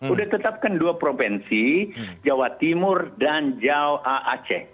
udah tetapkan dua provinsi jawa timur dan jawa aceh